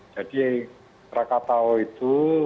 jadi krakatau itu